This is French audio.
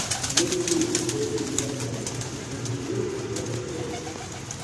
L'église est de style normand et son jubé est bien restauré.